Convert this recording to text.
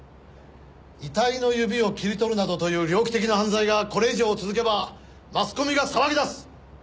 遺体の指を切り取るなどという猟奇的な犯罪がこれ以上続けばマスコミが騒ぎだす。